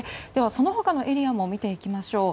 その他のエリアも見ていきましょう。